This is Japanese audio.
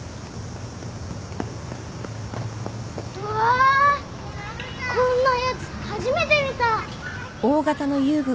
うわぁこんなやつ初めて見た。